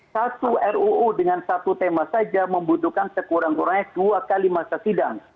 satu ruu dengan satu tema saja membutuhkan sekurang kurangnya dua kali masa sidang